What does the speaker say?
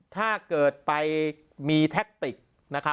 ถ้าเกิดไปมีแท็กติก